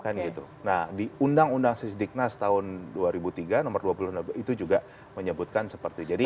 nah di undang undang sediknas tahun dua ribu tiga nomor dua puluh itu juga menyebutkan seperti itu